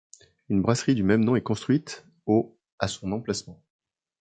Une brasserie du même nom est construite au à son emplacement.